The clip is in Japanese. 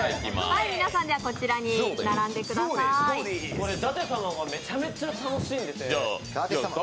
これ舘様がめちゃくちゃ楽しんでて。